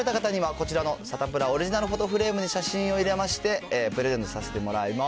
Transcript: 採用された方には、こちらのサタプラオリジナルフォトフレームに写真を入れまして、プレゼントさせてもらいます。